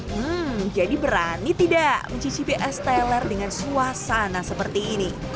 hmm jadi berani tidak mencicipi es teler dengan suasana seperti ini